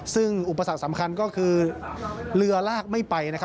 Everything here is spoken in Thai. ซึ่งอุปสรรคสำคัญก็คือเรือลากไม่ไปนะครับ